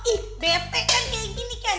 ih bete kan kayak gini kan